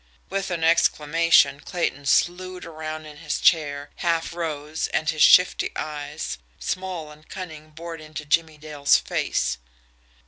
With an exclamation, Clayton slued around in his chair, half rose, and his shifty eyes, small and cunning, bored into Jimmie Dale's face.